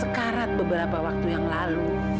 sekarat beberapa waktu yang lalu